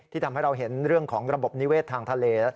ทำให้เราเห็นเรื่องของระบบนิเวศทางทะเล